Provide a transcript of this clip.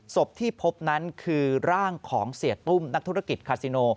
ศพที่พบนั้นคือร่างของเสียตุ้มนักธุรกิจคาซิโน